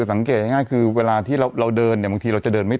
สังเกตง่ายคือเวลาที่เราเดินเนี่ยบางทีเราจะเดินไม่